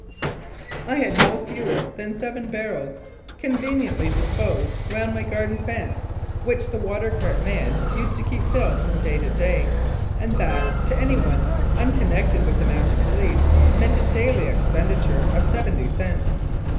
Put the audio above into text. I had no 51 Mounted Police Life in Canada fewer than seven barrels, conveniently disposed round my garden fence, which the water cart man used to keep filled from day to day, and that, to anyone unconnected with the Mounted Police, meant a daily expenditure of seventy cents.